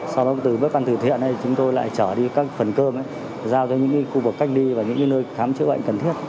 sau đó từ bữa ăn từ thiện này chúng tôi lại chở đi các phần cơm giao cho những khu vực cách ly và những nơi khám chữa bệnh cần thiết